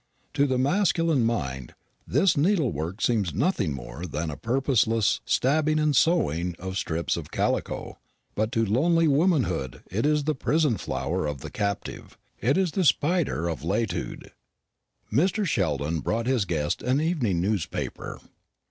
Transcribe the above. To the masculine mind this needlework seems nothing more than a purposeless stabbing and sewing of strips of calico; but to lonely womanhood it is the prison flower of the captive, it is the spider of Latude. Mr. Sheldon brought his guest an evening newspaper.